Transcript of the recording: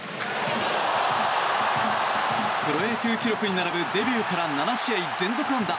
プロ野球記録に並ぶデビューから７試合連続安打。